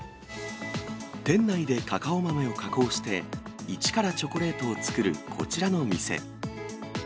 店内でカカオ豆を加工して、一からチョコレートを作るこちらの店。